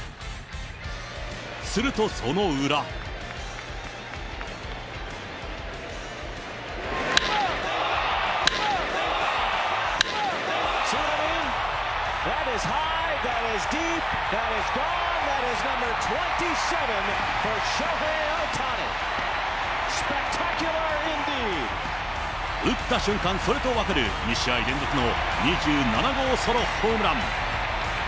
するとその裏。打った瞬間それと分かる、２試合連続の２７号ソロホームラン。